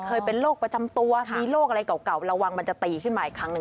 เคยเป็นโรคประจำตัวมีโรคอะไรเก่าระวังมันจะตีขึ้นมาอีกครั้งหนึ่ง